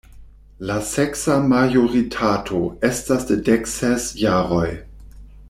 La seksa majoritato estas de dekses jaroj.